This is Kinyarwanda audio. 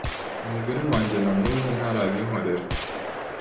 Umugore wanjye na nubu ntarabinkorera